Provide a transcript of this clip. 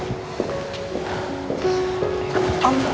kamu gak usah masuk lihat radit